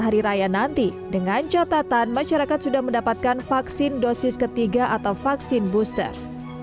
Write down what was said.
hari raya nanti dengan catatan masyarakat sudah mendapatkan vaksin dosis ketiga atau vaksin booster